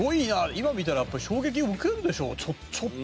今見たらやっぱり衝撃受けるでしょうちょっと。